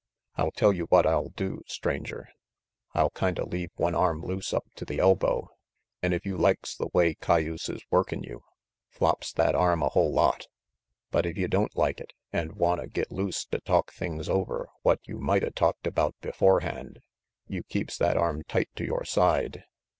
I tell you what I'll do, Stranger. I'll kinda leave one arm loose up to the elbow, an' if you likes the way cayuse is workin' you flops that arm a whole lot; but if you don't like it, an' wanta get loose to talk over things what you mighta talked about beforehand, you keeps that arm tight to yore side.